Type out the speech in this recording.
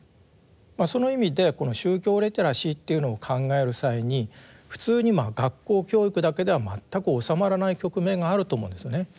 その意味でこの宗教リテラシーというのを考える際に普通に学校教育だけでは全く収まらない局面があると思うんですよね。